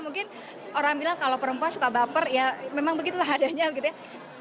mungkin orang bilang kalau perempuan suka baper ya memang begitulah adanya gitu ya